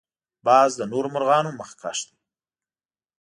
باز له نورو مرغانو مخکښ دی